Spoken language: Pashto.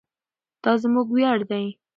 دا زموږ ویاړ دی.